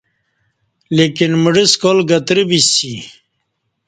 لیکن مڑہ سکال گترہ بسی